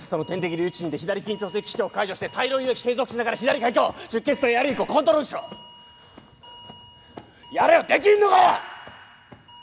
留置針で左緊張性気胸を解除して大量輸液継続しながら左開胸出血とエアリークをコントロールしろやれよできんのかよ！